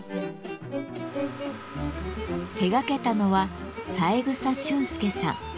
手掛けたのは三枝俊介さん。